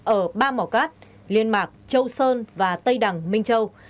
ở ba mò cát liên mạc châu sơn và tây đằng minh châu